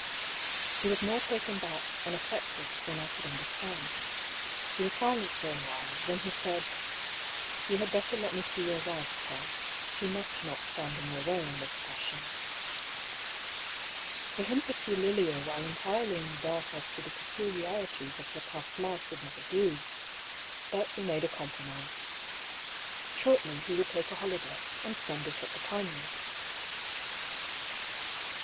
He was more taken back and affected than I could understand. He was silent for awhile ; then he said :" You had better let me see your wife, Paull. She must not stand in your way in this fashion." For him to see Lilia while entirely in the dark as to the peculiarities of her past life would never do. But we made a compromise. Shortly he would take a holi day, and spend it at the Pinewood.